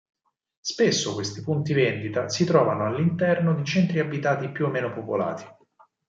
Spesso questi punti vendita si trovano all'interno di centri abitati più o meno popolati.